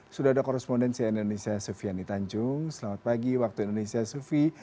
sudah ada korespondensi indonesia sufiani tanjung selamat pagi waktu indonesia sufi